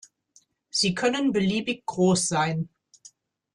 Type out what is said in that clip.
Sie können beliebig groß sein.